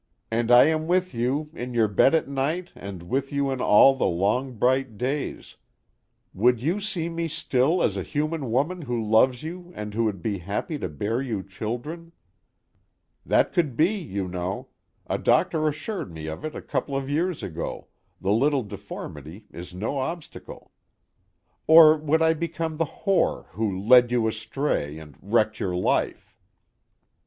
and I am with you, in your bed at night and with you in all the long bright days. Would you see me still as a human woman who loves you and who would be happy to bear you children? that could be, you know; a doctor assured me of it a couple of years ago, the little deformity is no obstacle. Or would I become the whore who 'led you astray' and 'wrecked your life'?